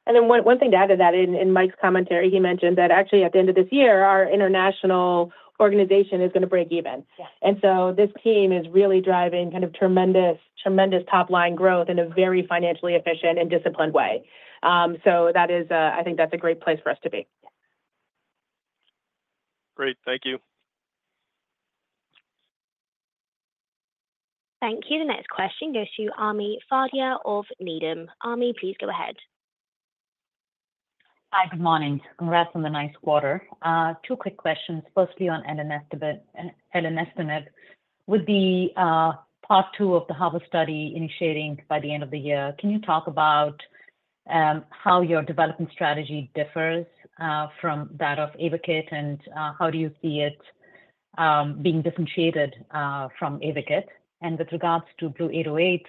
And then one thing to add to that, in Mike's commentary, he mentioned that actually at the end of this year, our international organization is going to break even. And so this team is really driving kind of tremendous top-line growth in a very financially efficient and disciplined way. So I think that's a great place for us to be. Great. Thank you. Thank you. The next question goes to Ami Fadia of Needham. Ami, please go ahead. Hi, good morning. Congrats on the nice quarter. Two quick questions, firstly on an estimate. With the part two of the HARBOR study initiating by the end of the year, can you talk about how your development strategy differs from that of Ayvakit and how do you see it being differentiated from Ayvakit? And with regards to BLU-808,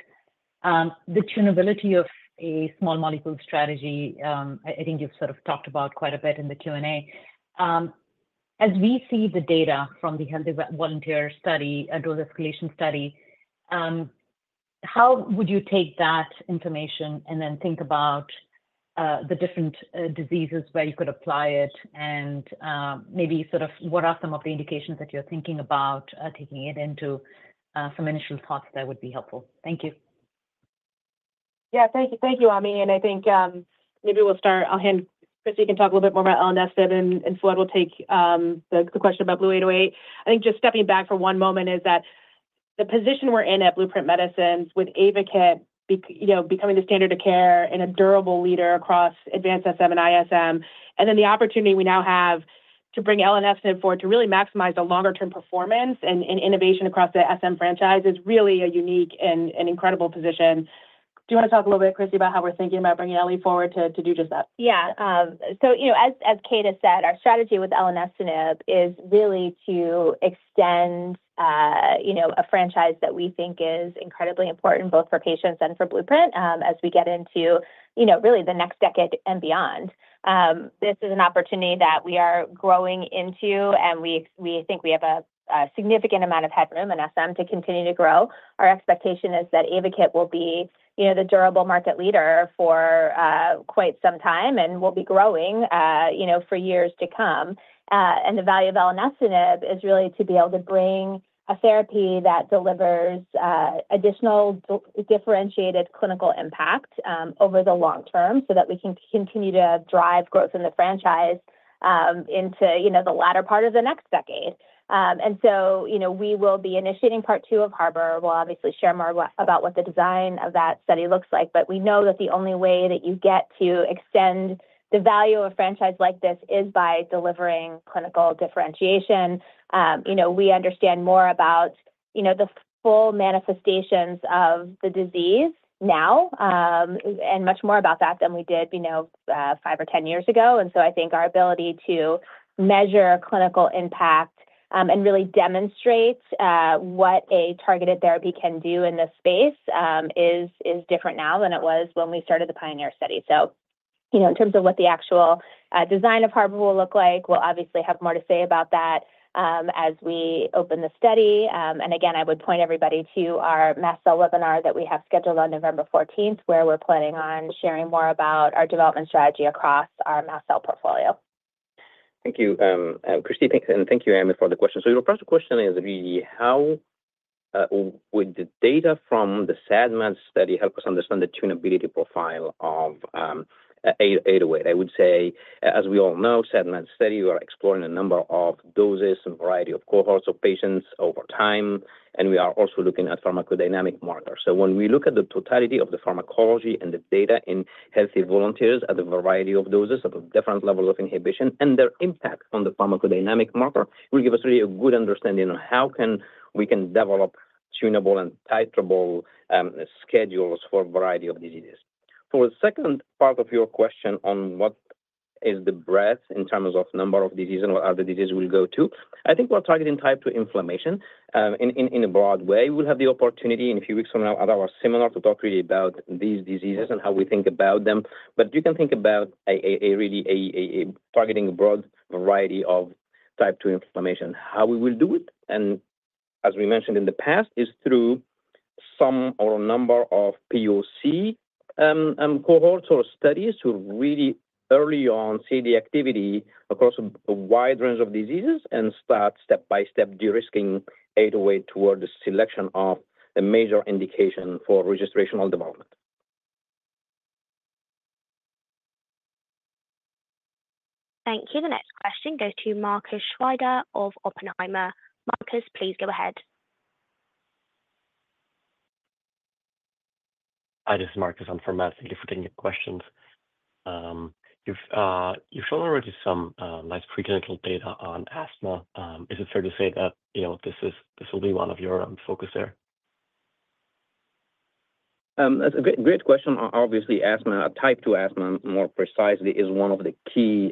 the tunability of a small molecule strategy, I think you've sort of talked about quite a bit in the Q&A. As we see the data from the healthy volunteer study, a dose escalation study, how would you take that information and then think about the different diseases where you could apply it? And maybe sort of what are some of the indications that you're thinking about taking it into some initial thoughts that would be helpful? Thank you. Yeah. Thank you, Ami. And I think maybe we'll start. Christy, you can talk a little bit more about LNS, and Fouad will take the question about BLU-808. I think just stepping back for one moment is that the position we're in at Blueprint Medicines with Ayvakit becoming the standard of care and a durable leader across advanced SM and ISM, and then the opportunity we now have to bring LNS forward to really maximize the longer-term performance and innovation across the SM franchise is really a unique and incredible position. Do you want to talk a little bit, Christy, about how we're thinking about bringing LNS forward to do just that? Yeah. So as Kate has said, our strategy with elenestinib is really to extend a franchise that we think is incredibly important both for patients and for Blueprint as we get into really the next decade and beyond. This is an opportunity that we are growing into, and we think we have a significant amount of headroom in SM to continue to grow. Our expectation is that Ayvakit will be the durable market leader for quite some time and will be growing for years to come. And the value of elenestinib is really to be able to bring a therapy that delivers additional differentiated clinical impact over the long term so that we can continue to drive growth in the franchise into the latter part of the next decade. And so we will be initiating part two of Harbor. We'll obviously share more about what the design of that study looks like, but we know that the only way that you get to extend the value of a franchise like this is by delivering clinical differentiation. We understand more about the full manifestations of the disease now and much more about that than we did five or ten years ago, and so I think our ability to measure clinical impact and really demonstrate what a targeted therapy can do in this space is different now than it was when we started the PIONEER study, so in terms of what the actual design of HARBOR will look like, we'll obviously have more to say about that as we open the study. Again, I would point everybody to our mast cell webinar that we have scheduled on November 14th, where we're planning on sharing more about our development strategy across our mast cell portfolio. Thank you, Christy. And thank you, Ami, for the question. So the first question is really, how would the data from the SADMAD study help us understand the tunability profile of 808? I would say, as we all know, SADMAD study, we are exploring a number of doses and variety of cohorts of patients over time. And we are also looking at pharmacodynamic markers. So when we look at the totality of the pharmacology and the data in healthy volunteers at a variety of doses of different levels of inhibition and their impact on the pharmacodynamic marker, will give us really a good understanding on how we can develop tunable and titratable schedules for a variety of diseases. For the second part of your question on what is the breadth in terms of number of diseases and what other diseases will go to, I think we're targeting type 2 inflammation in a broad way. We'll have the opportunity in a few weeks from now at our seminar to talk really about these diseases and how we think about them. But you can think about really targeting a broad variety of type 2 inflammation, how we will do it. And as we mentioned in the past, is through some or a number of POC cohorts or studies to really early on see the activity across a wide range of diseases and start step-by-step de-risking 808 toward the selection of a major indication for registrational development. Thank you. The next question goes to Marcus Schweider of Oppenheimer. Marcus, please go ahead. Hi, this is Marcus. Thanks for taking your questions. You've shown already some nice preclinical data on asthma. Is it fair to say that this will be one of your focus there? That's a great question. Obviously, asthma, type 2 asthma more precisely, is one of the key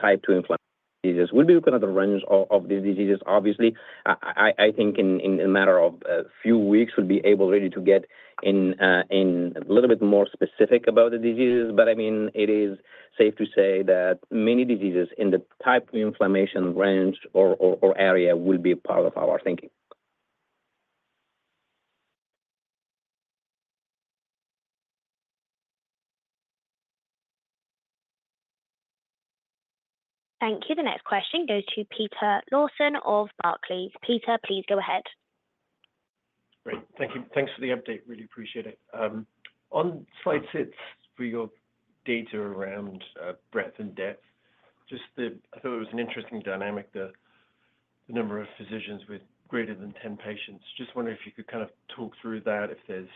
type 2 inflammation diseases. We'll be looking at the range of these diseases, obviously. I think in a matter of a few weeks, we'll be able really to get in a little bit more specific about the diseases. But I mean, it is safe to say that many diseases in the type 2 inflammation range or area will be part of our thinking. Thank you. The next question goes to Peter Lawson of Barclays. Peter, please go ahead. Great. Thank you. Thanks for the update. Really appreciate it. On slide six for your data around breadth and depth, just that I thought it was an interesting dynamic, the number of physicians with greater than 10 patients. Just wondering if you could kind of talk through that, if there's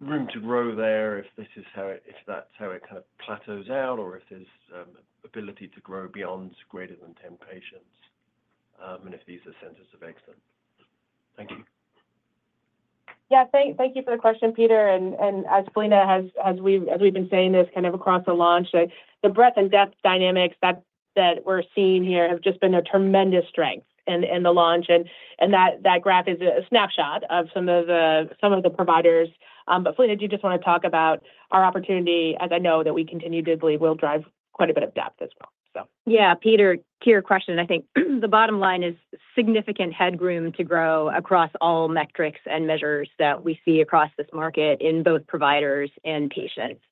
room to grow there, if that's how it kind of plateaus out, or if there's ability to grow beyond greater than 10 patients and if these are centers of excellence. Thank you. Yeah. Thank you for the question, Peter. And as Philina has said, as we've been saying this kind of across the launch, the breadth and depth dynamics that we're seeing here have just been a tremendous strength in the launch. And that graph is a snapshot of some of the providers. But Fouad, did you just want to talk about our opportunity, as I know that we continue to believe will drive quite a bit of depth as well? Yeah. Peter, to your question, I think the bottom line is significant headroom to grow across all metrics and measures that we see across this market in both providers and patients.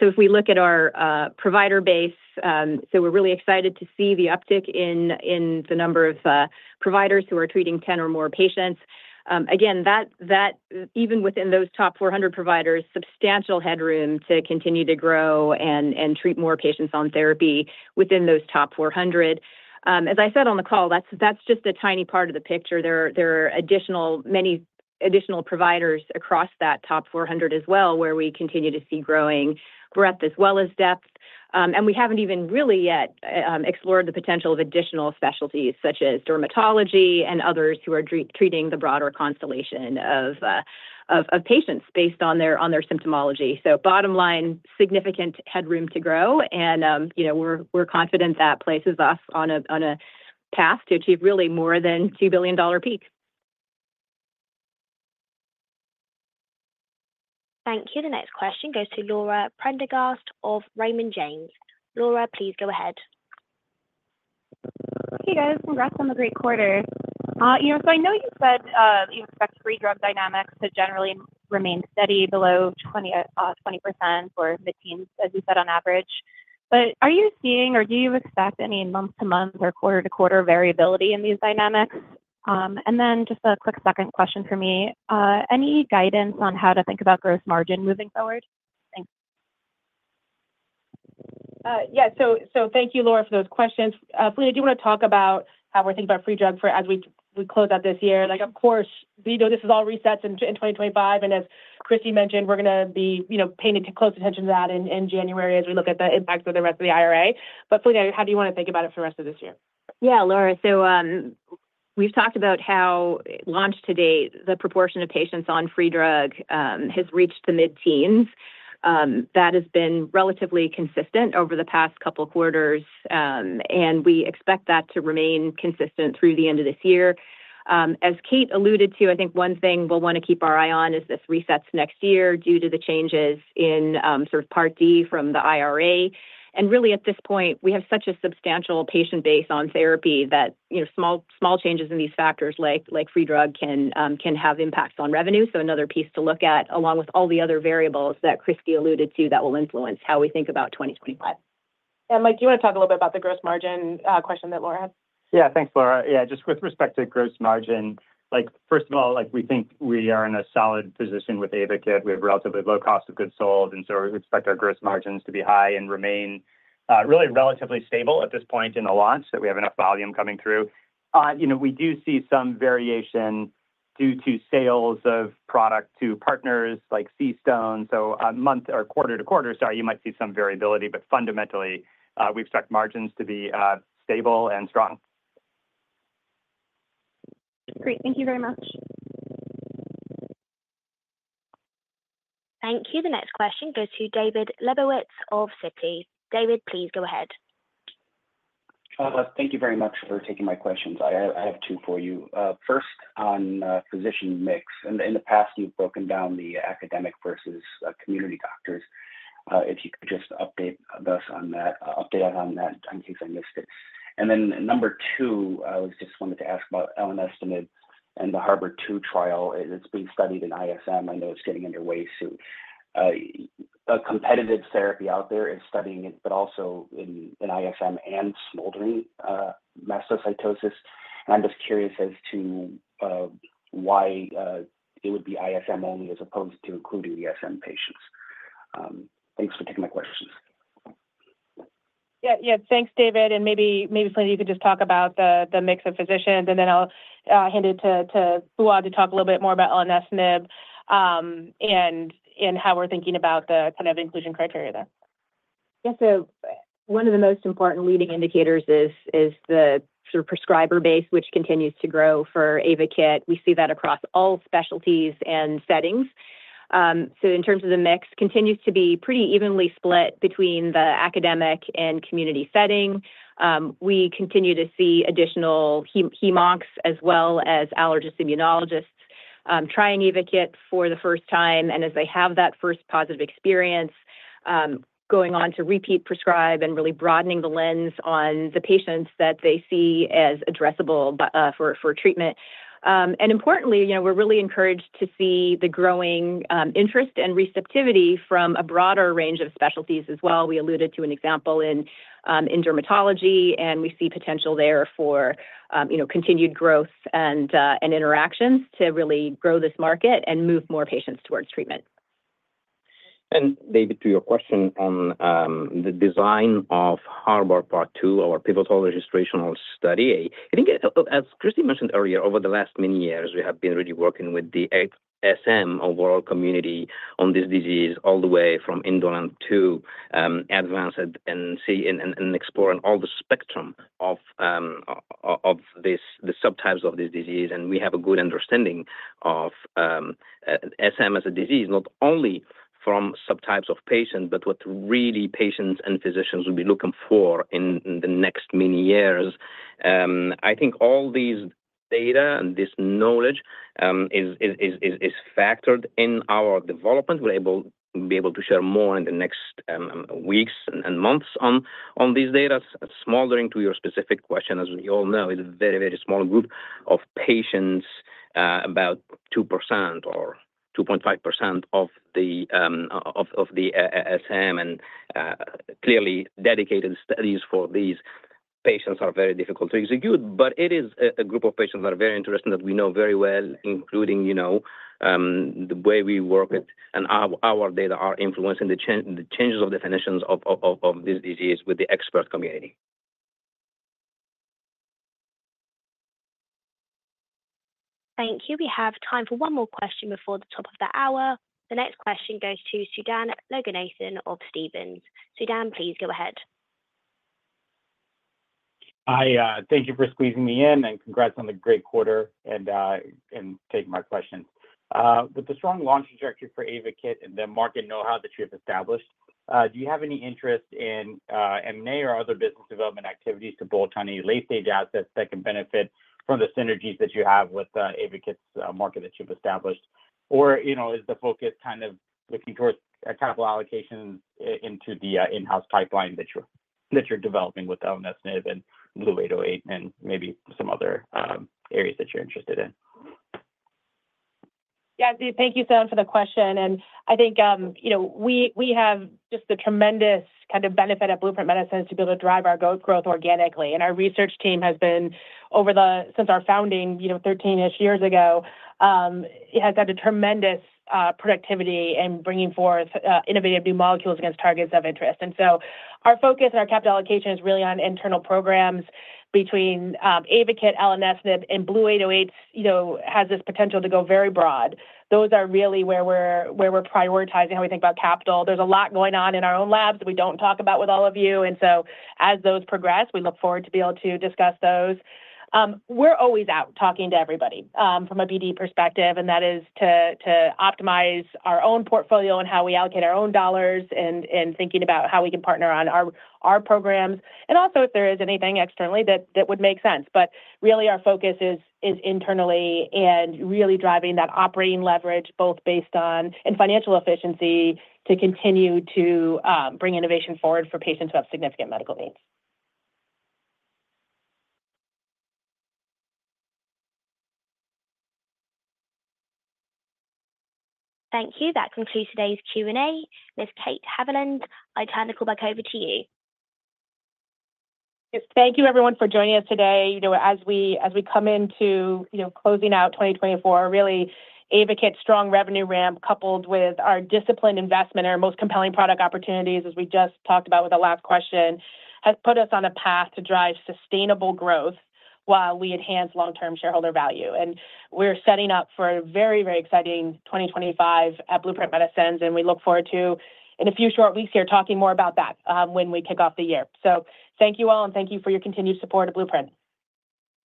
So if we look at our provider base, so we're really excited to see the uptick in the number of providers who are treating 10 or more patients. Again, even within those top 400 providers, substantial headroom to continue to grow and treat more patients on therapy within those top 400. As I said on the call, that's just a tiny part of the picture. There are many additional providers across that top 400 as well where we continue to see growing breadth as well as depth. And we haven't even really yet explored the potential of additional specialties such as dermatology and others who are treating the broader constellation of patients based on their symptomatology. Bottom line, significant headroom to grow. We're confident that places us on a path to achieve really more than $2 billion peak. Thank you. The next question goes to Laura Prendergast of Raymond James. Laura, please go ahead. Hey, guys. Congrats on the great quarter. So I know you said you expect free drug dynamics to generally remain steady below 20% or mid-teens, as you said, on average. But are you seeing or do you expect any month-to-month or quarter-to-quarter variability in these dynamics? And then just a quick second question for me. Any guidance on how to think about gross margin moving forward? Thanks. Yeah. So thank you, Laura, for those questions. Philina, I do want to talk about how we're thinking about free drug as we close out this year. Of course, we know this is all resets in 2025. And as Christy mentioned, we're going to be paying close attention to that in January as we look at the impact of the rest of the IRA. But Fouad, how do you want to think about it for the rest of this year? Yeah, Laura. So we've talked about how launch to date, the proportion of patients on free drug has reached the mid-teens. That has been relatively consistent over the past couple of quarters. And we expect that to remain consistent through the end of this year. As Kate alluded to, I think one thing we'll want to keep an eye on is the reset next year due to the changes in sort of Part D from the IRA. And really, at this point, we have such a substantial patient base on therapy that small changes in these factors like free drug can have impacts on revenue. So another piece to look at, along with all the other variables that Christy alluded to, that will influence how we think about 2025. Mike, do you want to talk a little bit about the gross margin question that Laura had? Yeah. Thanks, Laura. Yeah. Just with respect to gross margin, first of all, we think we are in a solid position with Ayvakit. We have relatively low cost of goods sold. And so we expect our gross margins to be high and remain really relatively stable at this point in the launch that we have enough volume coming through. We do see some variation due to sales of product to partners like CStone. So month or quarter to quarter, sorry, you might see some variability, but fundamentally, we expect margins to be stable and strong. Great. Thank you very much. Thank you. The next question goes to David Lebowitz of Citi. David, please go ahead. Thank you very much for taking my questions. I have two for you. First, on physician mix. In the past, you've broken down the academic versus community doctors. If you could just update us on that in case I missed it. And then number two, I just wanted to ask about elenestinib and the HARBOR trial. It's being studied in ISM. I know it's getting underway soon. A competitive therapy out there is studying it, but also in ISM and smoldering mastocytosis. And I'm just curious as to why it would be ISM only as opposed to including ASM patients. Thanks for taking my questions. Yeah. Yeah. Thanks, David. And maybe Fouad, you could just talk about the mix of physicians. And then I'll hand it to Fouad to talk a little bit more about elenestinib and how we're thinking about the kind of inclusion criteria there. Yeah. One of the most important leading indicators is the prescriber base, which continues to grow for Ayvakit. We see that across all specialties and settings. In terms of the mix, it continues to be pretty evenly split between the academic and community setting. We continue to see additional hem-oncs as well as allergist immunologists trying Ayvakit for the first time. And as they have that first positive experience, going on to repeat prescribe and really broadening the lens on the patients that they see as addressable for treatment. And importantly, we're really encouraged to see the growing interest and receptivity from a broader range of specialties as well. We alluded to an example in dermatology, and we see potential there for continued growth and interactions to really grow this market and move more patients towards treatment. And David, to your question on the design of HARBOR Part 2, our pivotal registrational study, I think, as Christy mentioned earlier, over the last many years, we have been really working with the SM overall community on this disease all the way from indolent to advanced and exploring all the spectrum of the subtypes of this disease. And we have a good understanding of SM as a disease, not only from subtypes of patients, but what really patients and physicians will be looking for in the next many years. I think all this data and this knowledge is factored in our development. We'll be able to share more in the next weeks and months on these data. Smoldering, to your specific question, as we all know, is a very, very small group of patients, about 2% or 2.5% of the SM. And clearly, dedicated studies for these patients are very difficult to execute. But it is a group of patients that are very interesting that we know very well, including the way we work with our data are influencing the changes of definitions of this disease with the expert community. Thank you. We have time for one more question before the top of the hour. The next question goes to Sudan Loganathan of Stephens. Sudan, please go ahead. Thank you for squeezing me in. And congrats on the great quarter and taking my questions. With the strong launch trajectory for Ayvakit and the market know-how that you have established, do you have any interest in M&A or other business development activities to bolt on any late-stage assets that can benefit from the synergies that you have with Ayvakit's market that you've established? Or is the focus kind of looking towards capital allocations into the in-house pipeline that you're developing with elenestinib and BLU-808 and maybe some other areas that you're interested in? Yeah. Thank you so much for the question. And I think we have just the tremendous kind of benefit of Blueprint Medicines to be able to drive our growth organically. And our research team has been, since our founding 13-ish years ago, has had a tremendous productivity in bringing forth innovative new molecules against targets of interest. And so our focus and our capital allocation is really on internal programs between Ayvakit, elenestinib, and BLU-808 has this potential to go very broad. Those are really where we're prioritizing how we think about capital. There's a lot going on in our own labs that we don't talk about with all of you. And so as those progress, we look forward to be able to discuss those. We're always out talking to everybody from a BD perspective. That is to optimize our own portfolio and how we allocate our own dollars and thinking about how we can partner on our programs. Also, if there is anything externally that would make sense. Really, our focus is internally and really driving that operating leverage, both based on financial efficiency to continue to bring innovation forward for patients who have significant medical needs. Thank you. That concludes today's Q&A. Ms. Kate Haviland, I turn the call back over to you. Thank you, everyone, for joining us today. As we come into closing out 2024, really, Ayvakit's strong revenue ramp coupled with our disciplined investment and our most compelling product opportunities, as we just talked about with the last question, has put us on a path to drive sustainable growth while we enhance long-term shareholder value, and we're setting up for a very, very exciting 2025 at Blueprint Medicines, and we look forward to, in a few short weeks here, talking more about that when we kick off the year, so thank you all, and thank you for your continued support of Blueprint.